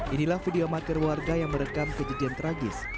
inilah video amatir warga yang merekam kejadian tragis